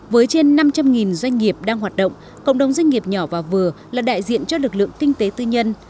với trên năm trăm linh doanh nghiệp đang hoạt động cộng đồng doanh nghiệp nhỏ và vừa là đại diện cho lực lượng kinh tế tư nhân